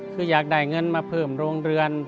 คืออยากได้เงินมาเพิ่มโรงเรือน